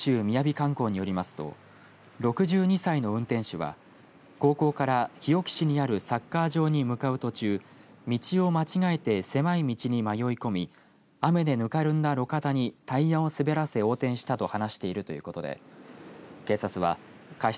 観光によりますと６２歳の運転手は高校から日置市にあるサッカー場に向かう途中道を間違えて狭い道に迷い込み雨でぬかるんだ路肩にタイヤを滑らせ横転したと話しているということで警察は過失